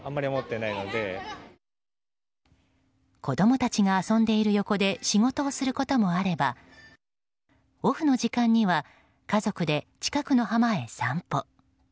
子供たちが遊んでいる横で仕事をすることもあればオフの時間には家族で近くの浜へ散歩。